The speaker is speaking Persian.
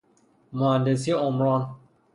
مهندسی عمران